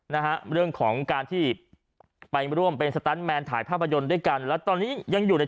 นะฮะเรื่องของการที่ไปร่วมเป็นสตันแมนถ่ายภาพยนตร์ด้วยกันแล้วตอนนี้ยังอยู่ใน